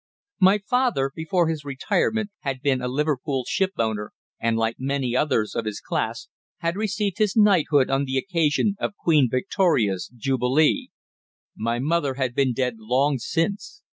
My father, before his retirement, had been a Liverpool ship owner, and, like many others of his class, had received his knighthood on the occasion of Queen Victoria's Jubilee. My mother had been dead long since.